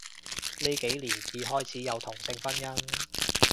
呢幾年至開始有同性婚姻